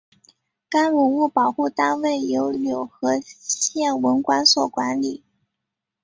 该文物保护单位由柳河县文管所管理。